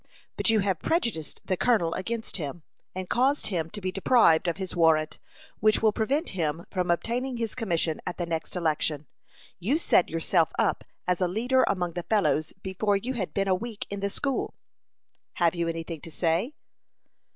But you have prejudiced the colonel against him, and caused him to be deprived of his warrant, which will prevent him from obtaining his commission at the next election. You set yourself up as a leader among the fellows before you had been a week in the school. Have you any thing to say?"